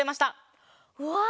うわ！